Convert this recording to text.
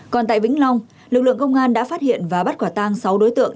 còn tại vĩnh long lực lượng công an đã phát hiện và bắt quả tang sáu đối tượng